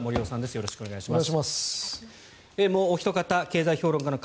よろしくお願いします。